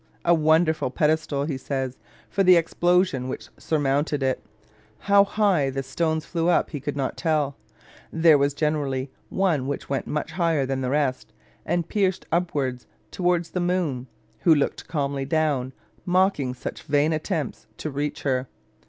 "A wonderful pedestal," he says, "for the explosion which surmounted it." How high the stones flew up he could not tell. "There was generally one which went much higher than the rest, and pierced upwards towards the moon, who looked calmly down, mocking such vain attempts to reach her."